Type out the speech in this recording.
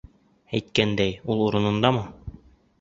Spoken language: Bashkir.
Әйткәндәй, ул урынындамы?